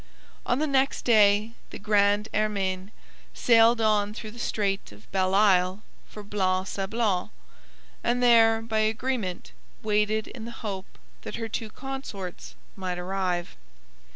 On the next day the Grande Hermine sailed on through the Strait of Belle Isle for Blanc Sablon, and there, by agreement, waited in the hope that her consorts might arrive.